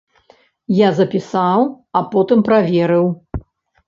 Я запісаў, а потым праверыў.